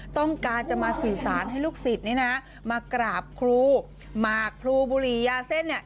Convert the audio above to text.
ต้องการจะมาสื่อสารให้ลูกศิษย์นี่นะมากราบครูหมากครูบุหรี่ยาเส้นเนี่ย